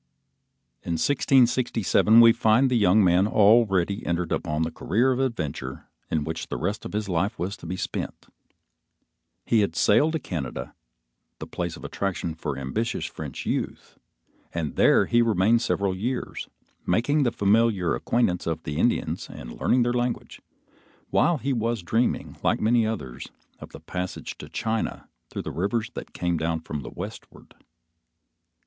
In 1667, we find the young man already entered upon the career of adventure in which the rest of his life was to be spent. He had sailed to Canada, the place of attraction for ambitious French youth, and there he remained several years, making the familiar acquaintance of the Indians and learning their language, while he was dreaming, like many others, of the passage to China through the rivers that came down from the westward.